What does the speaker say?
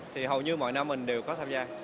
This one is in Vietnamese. thì hầu như mọi năm mình đều có tham gia